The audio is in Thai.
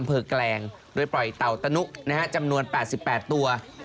อำเภอกแกลงโดยปล่อยเตาตะหนุนะฮะจำนวน๘๘ตัว